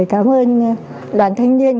cảm ơn đoàn thanh niên